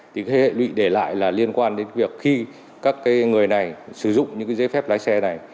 thì hệ lụy để lại là liên quan đến việc khi các người này sử dụng những dây phép lái xe này